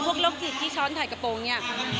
โรคจิตที่ช้อนถ่ายกระโปรงเนี่ย